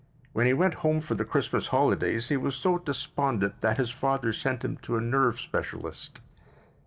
When he went home for the Christmas holidays he was so despondent that his father sent him to a nerve specialist.